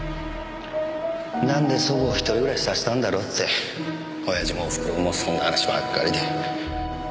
なんで祖母を一人暮らしさせたんだろうって親父もおふくろもそんな話ばっかりで。